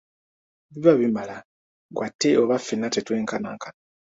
Biba bimala, ggwe ate oba ffenna tetwenkanankana.